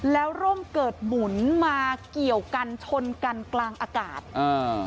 แล้วร่มเกิดหมุนมาเกี่ยวกันชนกันกลางอากาศอ่า